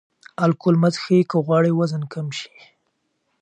الکول مه څښئ که غواړئ وزن کم شي.